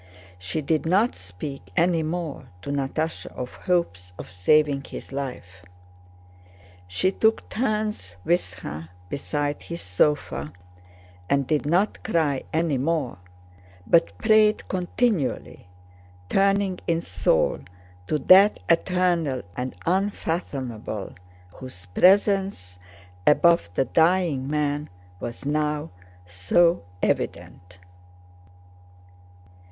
She did not speak any more to Natásha of hopes of saving his life. She took turns with her beside his sofa, and did not cry any more, but prayed continually, turning in soul to that Eternal and Unfathomable, whose presence above the dying man was now so evident.